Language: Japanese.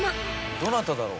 どなただろう？